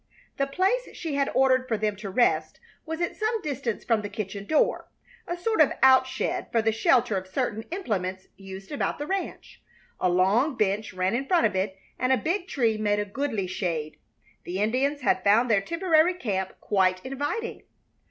The place she had ordered for them to rest was at some distance from the kitchen door, a sort of outshed for the shelter of certain implements used about the ranch. A long bench ran in front of it, and a big tree made a goodly shade. The Indians had found their temporary camp quite inviting.